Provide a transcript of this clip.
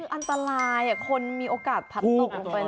คืออันตรายคนมีโอกาสผลัดตกลงไป